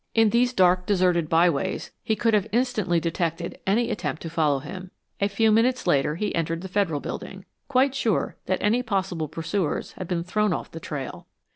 In these dark, deserted byways he could have instantly detected any attempt to follow him. A few minutes later he entered the Federal Building, quite sure that any possible pursuers had been thrown off the trail.